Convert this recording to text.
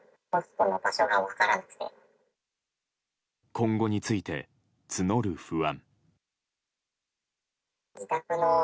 今後について募る不安。